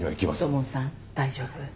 土門さん大丈夫。